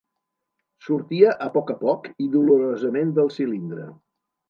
Sortia a poc a poc i dolorosament del cilindre.